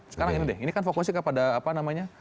sekarang ini deh ini kan fokusnya kepada apa namanya